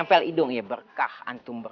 pak dukuh pak cukup